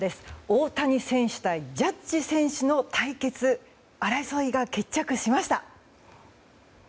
大谷選手対ジャッジ選手の対決争いが決着しました。